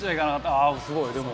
あっすごいでも！